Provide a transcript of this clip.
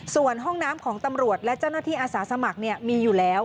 ส่วนห้องน้ำของตำรวจและเจ้าหน้าที่อาสาสมัครมีอยู่แล้ว